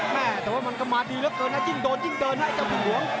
แม่แต่ว่ามันก็มาดีเหลือเกินนะยิ่งโดนยิ่งเดินนะไอ้เจ้าพึ่งหลวง